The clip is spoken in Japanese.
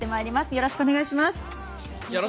よろしくお願いします。